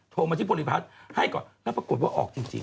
โทรมาที่บริพัฒน์ให้ก่อนแล้วปรากฏว่าออกจริง